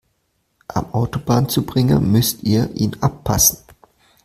Am Autobahnzubringer müsst ihr ihn abpassen.